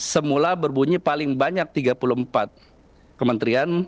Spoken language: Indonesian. semula berbunyi paling banyak tiga puluh empat kementerian